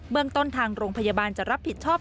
เมืองต้นทางโรงพยาบาลจะรับผิดชอบ